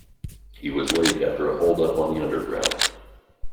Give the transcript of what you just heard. He was late after a holdup on the Underground.